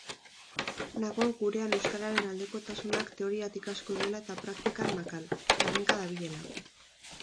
Nago gurean euskararen aldekotasunak teoriatik asko duela eta praktikan makal, herrenka dabilela.